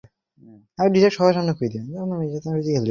তারা ছিলেন নগণ্য দুর্বল।